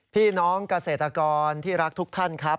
พี่น้องเกษตรกรที่รักทุกท่านครับ